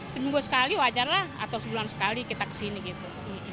seminggu sekali wajarlah atau sebulan sekali kita kesini gitu